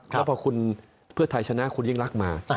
แล้วพอคุณเพื่อไทยชนะคุณยิ่งรักมา